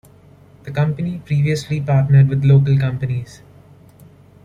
The company previously partnered with local companies.